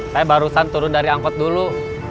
saya barusan turun dari angkot dulu